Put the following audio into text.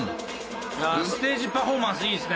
ステージパフォーマンスいいですね。